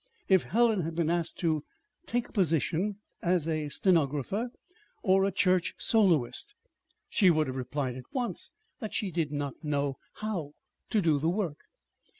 If Helen had been asked to take a position as stenographer or church soloist, she would have replied at once that she did not know how to do the work.